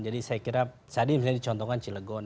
jadi saya kira tadi misalnya dicontohkan cilegon